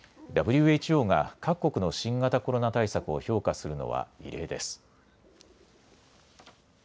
ＷＨＯが各国の新型コロナ対策を評価するのは異例です。